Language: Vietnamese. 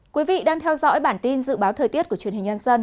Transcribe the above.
quý vị đang theo dõi bản tin dự báo thời tiết của truyền hình nhân dân